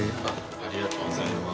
ありがとうございます。